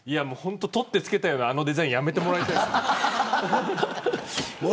取って付けたようなあのデザインやめてもらいたいです。